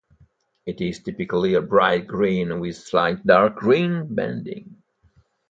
It is typically a bright green with slight dark green banding.